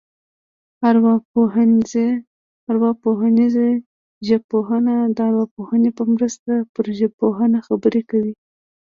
ارواپوهنیزه ژبپوهنه د ارواپوهنې په مرسته پر ژبپوهنه خبرې کوي